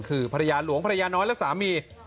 คือภรรยาหลวงภรรยาน้อยและสามี